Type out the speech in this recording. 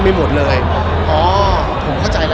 ไปหรือพี่ตัวสิวะ